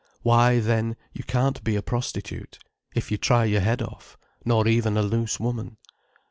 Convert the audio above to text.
Why, then you can't be a prostitute, if you try your head off: nor even a loose woman.